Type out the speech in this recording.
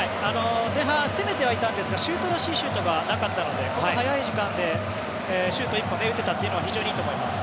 前半攻めてはいたんですがシュートらしいシュートがなかったので、早い時間でシュート１本打てたというのは非常にいいと思います。